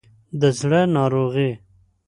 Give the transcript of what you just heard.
د زړه ناروغي